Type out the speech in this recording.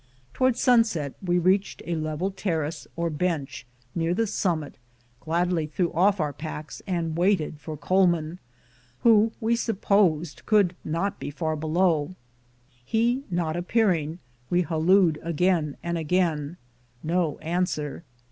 To wards sunset we reached a level terrace, or bench, near the summit, gladly threw ofi^ our packs, and waited for Coleman, who, we supposed, could not be far below. He not appearing, we hallooed again and again. No answer